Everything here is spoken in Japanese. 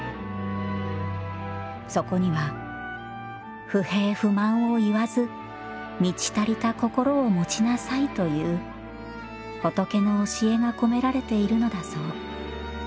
そこには「不平不満を言わず満ち足りた心を持ちなさい」という仏の教えが込められているのだそう。